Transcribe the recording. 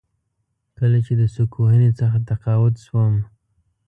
کله چې د سوک وهنې څخه تقاعد شوم.